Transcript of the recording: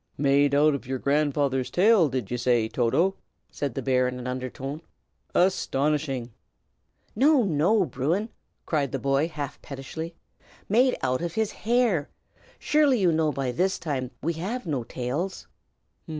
"Made out of your grandfather's tail, did you say, Toto?" said the bear, in an undertone. "Astonishing!" "No, no, Bruin!" cried the boy, half pettishly. "Made out of his hair! Surely you might know by this time that we have no tails."